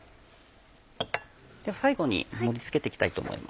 最後に盛り付けて行きたいと思います。